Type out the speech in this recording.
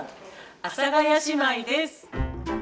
阿佐ヶ谷姉妹です。